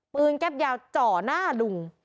ปืนแก๊บยาวเจาะหน้าลุง